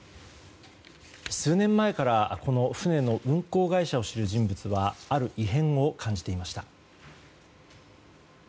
数年前からこの船の運航会社を知る人物はある異変を感じていました。